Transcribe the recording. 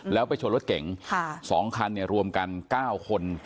แล้วไปชนรถเก๋ง๒คันรวมกัน๙คน